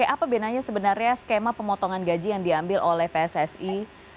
apa bedanya sebenarnya skema pemotongan gaji yang diambil oleh pssi